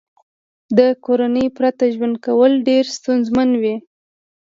له کورنۍ پرته ژوند کول ډېر ستونزمن وي